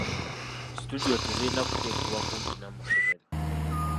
Situdiyo tezirina kuteekebwa kumpi n'amasomero.